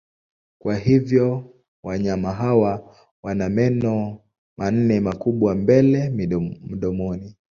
Kwa hivyo wanyama hawa wana meno manne makubwa mbele mdomoni.